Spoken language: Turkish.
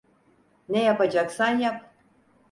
Ne yapacaksan yap.